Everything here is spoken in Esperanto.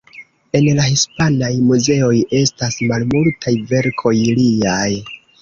En la hispanaj muzeoj estas malmultaj verkoj liaj.